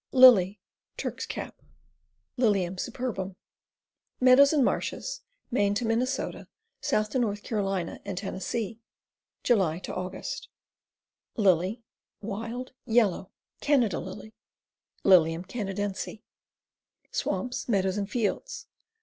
Lilt, Tdrk's Cap. Lilium superbum. Meadows and marshes. Me. to Minn., south to N. C. and Tenn. July Aug. Lily, Wild Yellow. Canada Lily. Lilium Canadense. Swamps, meadows and fields.